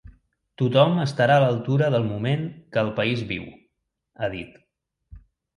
Tothom estarà a l’altura del moment que el país viu –ha dit–.